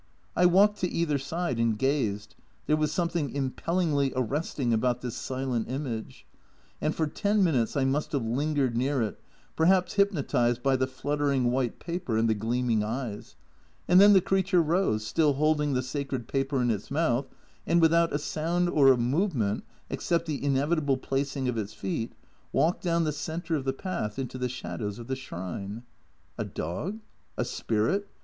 I walked to either side and gazed there was something im pellingly arresting about this silent image and for ten minutes I must have lingered near it, perhaps hypnotised by the fluttering white paper and the gleaming eyes ; and then the creature rose, still hold ing the sacred paper in its mouth, and without a sound or a movement except the inevitable placing of its feet, walked down the centre of the path into the shadows of the shrine. A dog? a spirit?